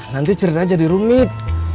nanti cerita jadi rumit